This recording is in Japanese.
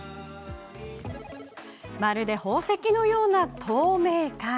まるで宝石のような透明感！